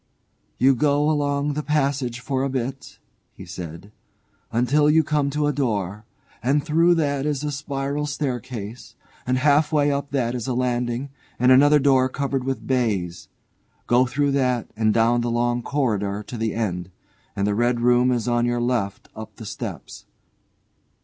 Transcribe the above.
"You go along the passage for a bit," said he, "until you come to a door, and through that is a spiral staircase, and half way up that is a landing and another door covered with baize. Go through that and down the long corridor to the end, and the red room is on your left up the steps."